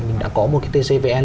mình đã có một cái tcvn